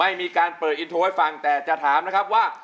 ไม่มีการเปิดอินโทรให้ฟังแต่จะถามนะครับว่า